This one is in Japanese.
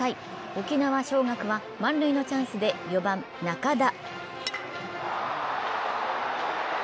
沖縄尚学は満塁のチャンスで４番・仲田。